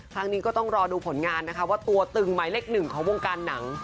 ครั้งนี้ก็ต้องรอดูผลงานนะคะว่าตัวตึงหมายเลขหนึ่งของวงการหนัง